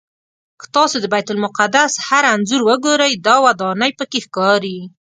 که تاسو د بیت المقدس هر انځور وګورئ دا ودانۍ پکې ښکاري.